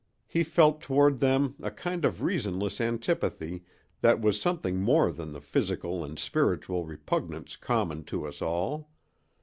He felt toward them a kind of reasonless antipathy that was something more than the physical and spiritual repugnance common to us all.